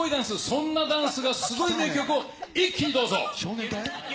そんなダンスがすごい名曲、一気にどうぞ。